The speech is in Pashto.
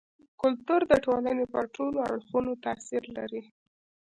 کلتور د ټولني پر ټولو اړخونو تاثير لري.